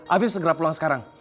afif segera pulang sekarang